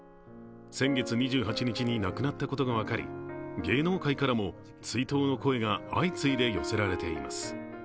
先月２８日に亡くなったことが分かり芸能界からも追悼の声が相次いで寄せられています。